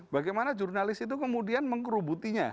bagaimana jurnalis itu kemudian mengkerubutinya